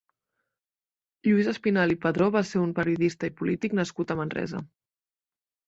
Lluís Espinalt i Padró va ser un periodista i polític nascut a Manresa.